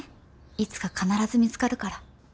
いつか必ず見つかるから。